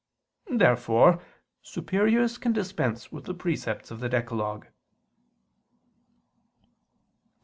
Therefore superiors can dispense with the precepts of the decalogue. Obj.